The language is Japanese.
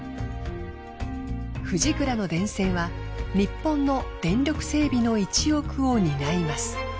フジクラの電線は日本の電力整備の一翼を担います。